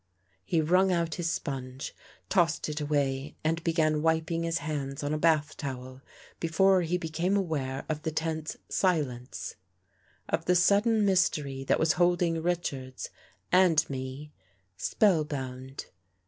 He wrung out his sponge, tossed it away and began wiping his hands on a bath towel, before he became aware of the tense silence; of the sudden mystery that was holding Richards and me spell bound.